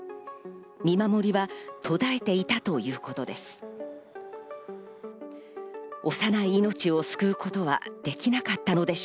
見守りは途絶えていたということです。